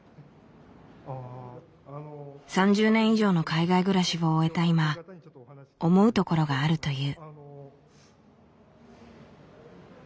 ３０年以上の海外暮らしを終えた今思うところがあるという。